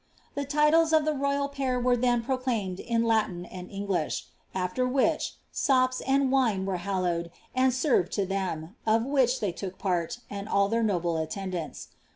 * The titles of the royal pair were then prodaimed in Latin and Engliidi; after which, sops and wine* were hallowed and served to them, of vUch they partook, and all their noble attendants.